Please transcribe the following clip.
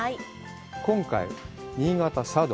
今回、新潟・佐渡。